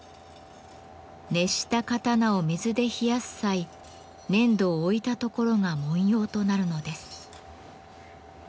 熱した刀を水で冷やす際粘土を置いた所が文様となるのです。